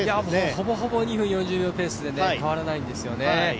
ほぼほぼ２分４０秒ペースで変わらないんですよね。